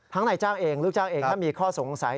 นายจ้างเองลูกจ้างเองถ้ามีข้อสงสัย